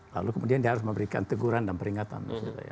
lalu kemudian dia harus memberikan teguran dan peringatan